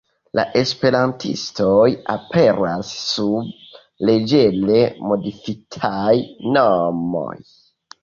La esperantistoj aperas sub leĝere modifitaj nomoj.